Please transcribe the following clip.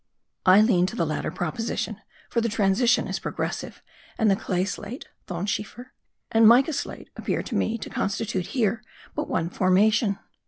I lean to the latter proposition; for the transition is progressive, and the clay slate (thonschiefer) and mica slate appear to me to constitute here but one formation.